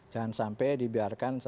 jangan sampai dibiarkan